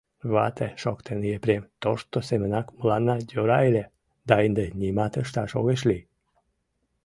— Вате, — шоктен Епрем, — тошто семынак мыланна йӧра ыле, да ынде нимат ышташ огеш лий.